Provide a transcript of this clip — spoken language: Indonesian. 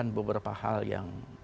mengatakan beberapa hal yang